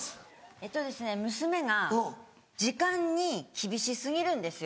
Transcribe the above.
えっと娘が時間に厳し過ぎるんですよ。